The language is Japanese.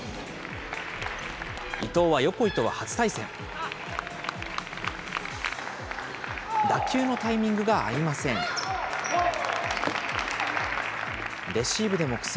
伊藤は横井とは初対戦。